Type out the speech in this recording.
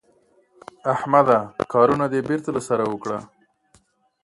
احمده کارونه دې بېرته له سره وکړه.